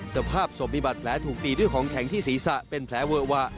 สภาพศพมีบาดแผลถูกตีด้วยของแข็งที่ศีรษะเป็นแผลเวอะวะ